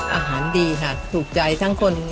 อาหารดีค่ะถูกใจทั้งคน